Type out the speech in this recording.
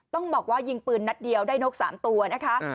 ต้องบอกว่ายิงปืนนัดเดียวได้นก๓ตัวนะคะ